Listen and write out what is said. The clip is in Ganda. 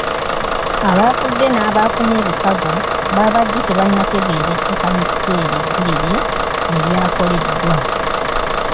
Abafudde n'abaafunye ebisago baabadde tebannategeerekeka mu kiseera eggulire we lyakoleddwa.